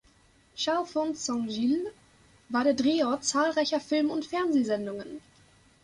Chalfont Saint Giles war der Drehort zahlreicher Film- und Fernsehsendungen.